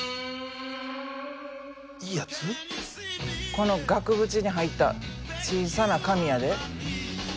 この額縁に入った小さな紙やで。